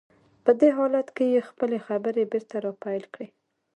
په دې حالت کې يې خپلې خبرې بېرته را پيل کړې.